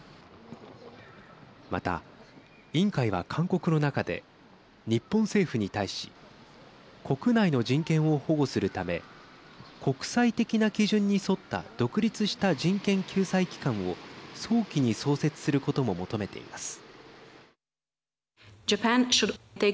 また、委員会は勧告の中で日本政府に対し国内の人権を保護するため国際的な基準に沿った独立した人権救済機関を早期に創設することも求めています。